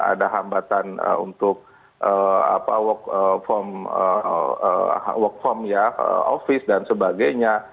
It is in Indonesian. ada hambatan untuk work form ya office dan sebagainya